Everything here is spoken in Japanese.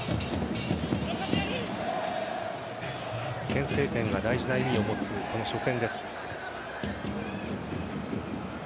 先制点が大事な意味を持つこの初戦です。